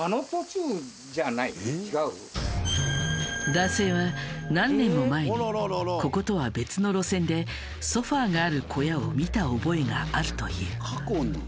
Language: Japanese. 男性は何年も前にこことは別の路線でソファがある小屋を見た覚えがあるという。